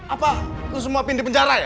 apa lo semua pin di penjara ya